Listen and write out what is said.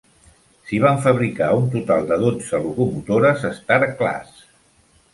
S'hi van fabricar un total de dotze locomotores Star Class.